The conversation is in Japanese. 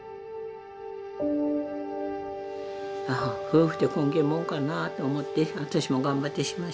夫婦ってこげんもんかなと思って私も頑張ってしましたね。